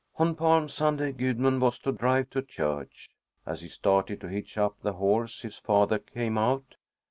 On Palm Sunday Gudmund was to drive to church. As he started to hitch up the horse, his father came out.